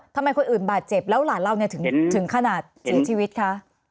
ทำไมคนอื่นบาดเจ็บแล้วหลานเราถึงขนาดเสียชีวิตคะ